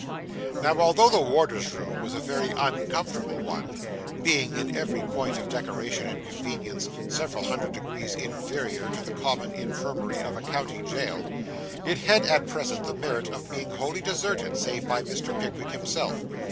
Now, although the warder's room was a very uncomfortable one (being, in every point of decoration and convenience, several hundred degrees inferior to the common infirmary of a county jail), it had at present the merit of being wholly deserted save by Mr. Pickwick himself.